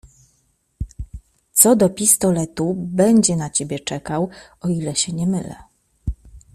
"Co do pistoletu, będzie na ciebie czekał, o ile się nie mylę."